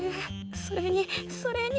それにそれに。